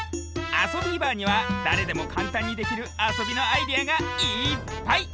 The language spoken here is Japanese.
「あそビーバー」にはだれでもかんたんにできるあそびのアイデアがいっぱい！